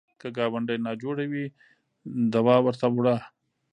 که ګاونډی ناجوړه وي، دوا ورته وړه